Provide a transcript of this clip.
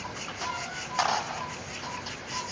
مدیتیشن د سکون لپاره دی.